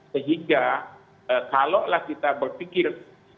sehingga kalaulah kita berpikir